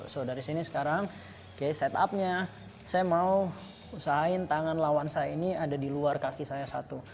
so dari sini sekarang kayak set up nya saya mau usahain tangan lawan saya ini ada di luar kaki saya satu